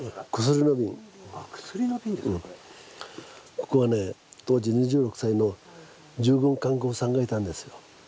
ここはね当時２６歳の従軍看護婦さんがいたんですよ。